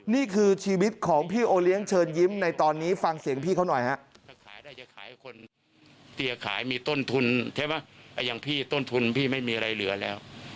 นี่คือชีวิตของพี่โอเลี้ยงเชิญยิ้มในตอนนี้ฟังเสียงพี่เขาหน่อยฮะ